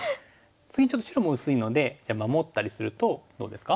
次ちょっと白も薄いのでじゃあ守ったりするとどうですか？